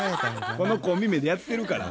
このコンビ名でやってるから。